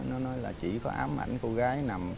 nó nói là chỉ có ám ảnh cô gái